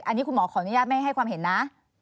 อันนี้คุณหมอขออนุญาตไม่ให้ความเห็นนะ